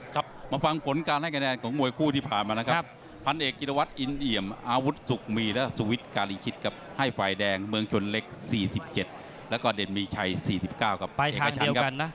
เขาคือขมปะตักซินบีมวยไทย